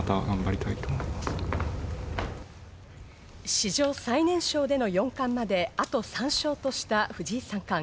史上最年少での四冠まであと３勝とした藤井三冠。